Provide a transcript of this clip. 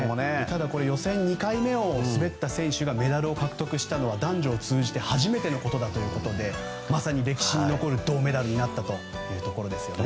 ただ、予選２回目を滑った選手がメダルを獲得したのは男女を通じて初めてのことだということでまさに歴史に残る銅メダルになったというところです。